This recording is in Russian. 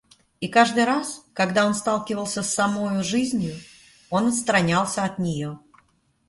И каждый раз, когда он сталкивался с самою жизнью, он отстранялся от нее.